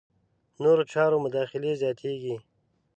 نورو چارو مداخلې زیاتېږي.